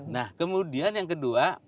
nah kemudian yang kedua